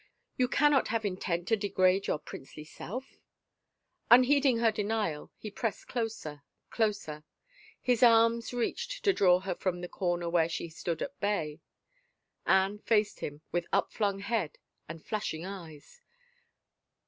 " You cannot have intent to degrade your princely self !". Unheeding her d^ial, he pressed closer, closer. His arms reached to draw her from the comer where she stood at bay. Anne faced him with up flung head and flashing eyes.